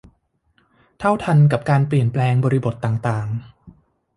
เท่าทันกับการเปลี่ยนแปลงบริบทต่างต่าง